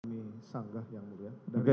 ini sanggah yang ini ya